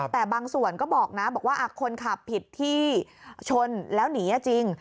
แต่บางส่วนก็บอกนะบอกว่าคนขับผิดที่ชนแล้วหนีจริง